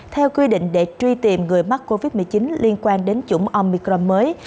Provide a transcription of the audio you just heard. theo quy định để truy tìm người mắc covid một mươi chín liên quan đến chủng omicron mới